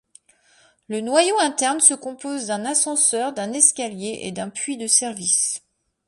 Le noyau interne se compose d'un ascenseur, d'un escalier et d'un puits de service.